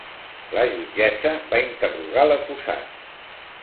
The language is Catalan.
La jutgessa va interrogar l'acusat.